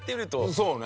そうね。